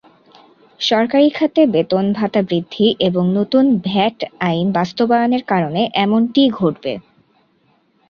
সরকারি খাতে বেতন-ভাতা বৃদ্ধি এবং নতুন ভ্যাট আইন বাস্তবায়নের কারণে এমনটি ঘটবে।